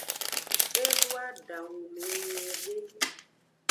Edo adangu nung nyiude.